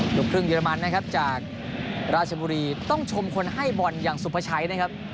ลูกครึ่งเยอรมันนะครับจากราชบุรีต้องชมคนให้บอลอย่างสุภาชัยนะครับ